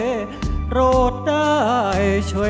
เพลงพร้อมร้องได้ให้ล้าน